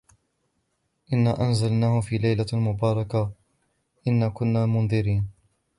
إنا أنزلناه في ليلة مباركة إنا كنا منذرين